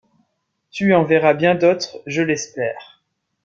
Tu en verras bien d’autres, je l’espère.